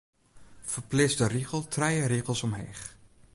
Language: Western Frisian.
Ferpleats de rigel trije rigels omheech.